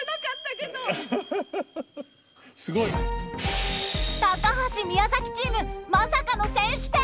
すごい！高橋・宮崎チームまさかの先取点！